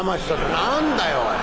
「何だよおい。